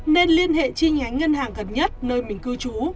nên liên hệ chi nhánh ngân hàng gần nhất nơi mình cư trú